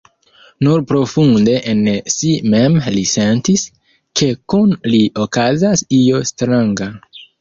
Nur profunde en si mem li sentis, ke kun li okazas io stranga.